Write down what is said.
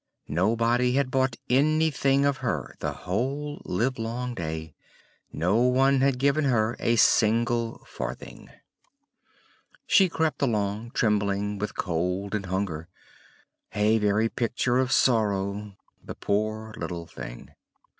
Nobody had bought anything of her the whole livelong day; no one had given her a single farthing. She crept along trembling with cold and hunger a very picture of sorrow, the poor little thing!